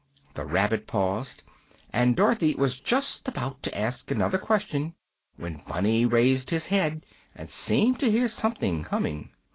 '" The Rabbit paused, and Dorothy was just about to ask another question when Bunny raised his head and seemed to hear something coming.